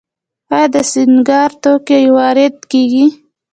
آیا د سینګار توکي وارد کیږي؟